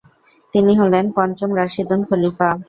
তিনি হলেন পঞ্চম রাশিদুন খলিফা।